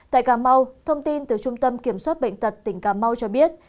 tại cà mau thông tin từ trung tâm kiểm soát bệnh tật tỉnh cà mau cho biết